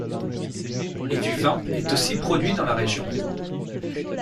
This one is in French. Et du vin est aussi produit dans la région.